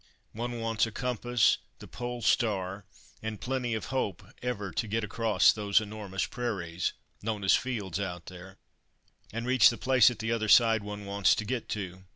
One wants a compass, the pole star, and plenty of hope ever to get across those enormous prairies known as fields out there and reach the place at the other side one wants to get to.